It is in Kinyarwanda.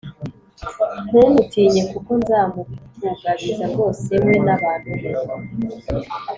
ntumutinye kuko nzamukugabiza rwose we n abantu be